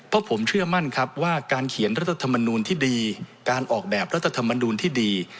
เพราะผมเชื่อมั่นครับว่าการเขียนรัฐธรรมนูลที่ดีการออกแบบรัฐธรรมนูลที่ดี